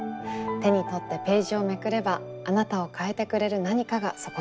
手に取ってページをめくればあなたを変えてくれる何かがそこにあるかもしれません。